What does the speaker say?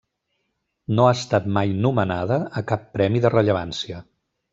No ha estat mai nomenada a cap premi de rellevància.